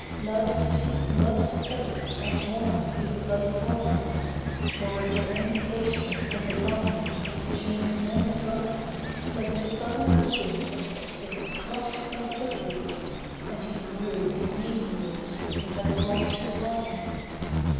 Love feeds love's thirst as wine feeds love of wine; Nor is there any potion from the vine Which makes men drunken like the subtle brew Of kisses crushed by kisses; and he grew Inebriated with that draught divine.